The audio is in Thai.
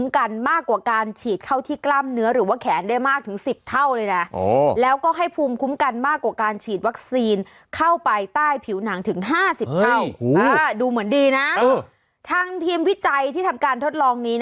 ไข่ไก่มันแพงทำยังไงดี